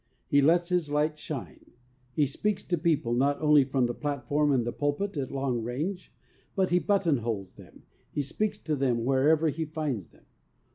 He lets his light shine. He speaks to people not only from the platform and the pulpit at long range, but he button holes them, and speaks to them wherever he finds them.